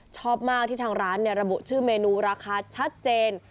ชอบมากที่ทางร้านระบุชื่อเมนูราคาชัดเจน